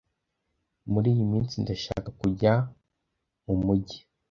muri iyi minsi ndashaka kujya mu mugi